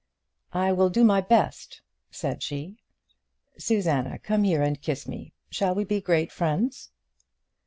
"I will do my best," said she. "Susanna, come here and kiss me. Shall we be great friends?"